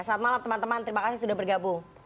selamat malam teman teman terima kasih sudah bergabung